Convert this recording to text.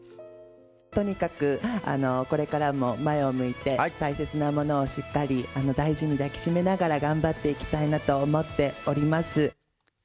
とにかく、これからも前を向いて、大切なものをしっかり大事に抱きしめながら頑張っていきたいなと思っております。